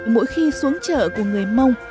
mỗi khi xuống chợ của người mông